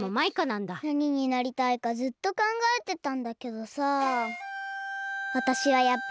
なにになりたいかずっとかんがえてたんだけどさ。